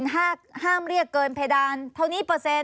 ห้ามเรียกเกินเพดานเท่านี้เปอร์เซ็นต